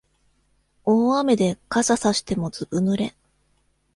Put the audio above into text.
大雨で傘さしてもずぶ濡れ